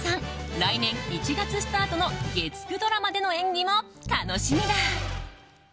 来年１月スタートの月９ドラマでの演技も楽しみだ。